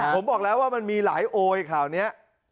ผมบอกแล้วว่ามีหลายโอไอข่าวเนี้ย